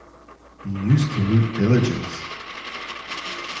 He used to loot villages.